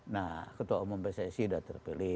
nah ketua umum pssi sudah terpilih